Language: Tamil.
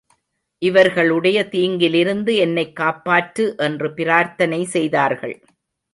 இவர்களுடைய தீங்கிலிருந்து என்னைக் காப்பாற்று என்று பிரார்த்தனை செய்தார்கள்.